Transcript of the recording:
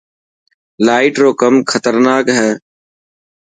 لائٽ رو ڪم خطرناڪ هي.